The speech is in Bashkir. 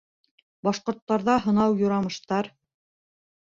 Башҡорттарҙа һынау-юрамыштар